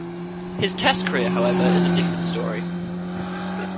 His test career however, is a different story.